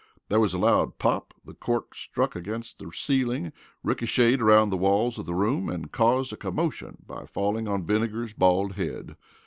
There was a loud pop, the cork struck against the ceiling, ricochetted around the walls of the room and caused a commotion by falling on Vinegar's bald head.